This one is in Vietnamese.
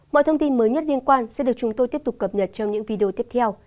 mọi thông tin mới nhất liên quan sẽ được chúng tôi tiếp tục cập nhật trong những video tiếp theo